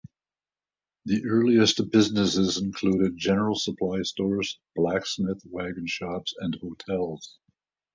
The earliest businesses included general supply stores, blacksmith, wagon shops, and hotels.